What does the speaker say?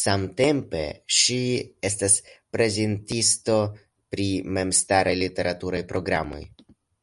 Samtempe ŝi estas prezentisto pri memstaraj literaturaj programoj.